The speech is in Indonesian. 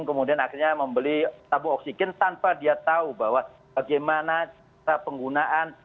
kemudian akhirnya membeli tabung oksigen tanpa dia tahu bahwa bagaimana cara penggunaan